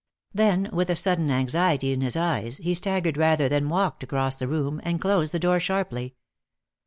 Then, with a sudden anxiety in his eyes, he staggered rather than walked across the room, and closed the door sharply.